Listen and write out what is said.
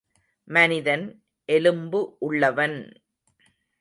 மனிதன், எலும்பு உள்ளவன்!